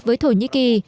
với thổ nhĩ kỳ